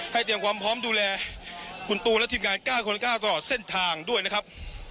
เตรียมความพร้อมดูแลคุณตูนและทีมงาน๙คนละ๙ตลอดเส้นทางด้วยนะครับ